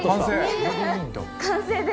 完成？